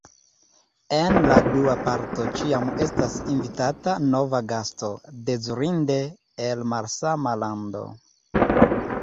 En la dua parto ĉiam estas invitata nova gasto, dezirinde el malsama lando.